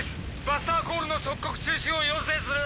バスターコールの即刻中止を要請する。